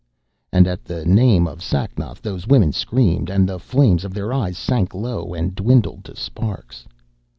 And at the name of Sacnoth those women screamed, and the flames of their eyes sank low and dwindled to sparks.